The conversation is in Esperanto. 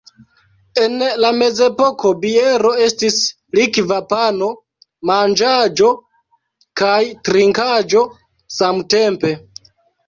En la mezepoko biero estis likva pano: manĝaĵo kaj trinkaĵo samtempe.